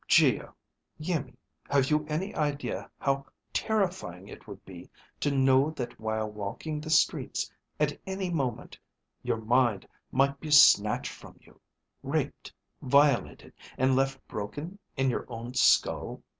Geo, Iimmi, have you any idea how terrifying it would be to know that while walking the streets, at any moment, your mind might be snatched from you, raped, violated, and left broken in your own skull?